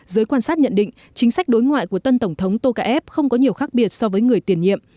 giới quan sát nhận định chính sách đối ngoại của tân tổng thống tokayev không có nhiều khác biệt so với người tiền nhiệm